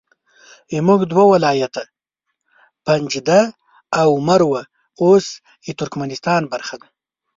زموږ دوه ولایته پنجده او مروه اوس د ترکمنستان برخه ده